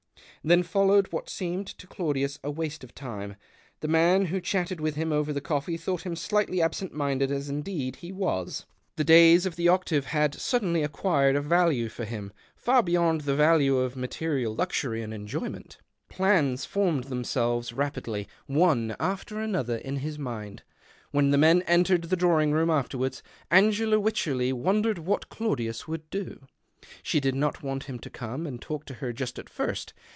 Then followed what seemed to Claudius a waste of time. The man who chatted with him over the coffee thought him slightly absent minded, as indeed he was. The days of TEE OCTAVE OF CLxVUDlUS. 171 he octave had suddenly acqmred a value lor lim far beyond the value of material luxury .nd enjoyment. Plans formed themselves apidly, one after another, in his mind. When the men entered the drawing room afterwards, Angela Wycherley wondered what Claudius would do. She did not want him to !ome and talk to her just at first.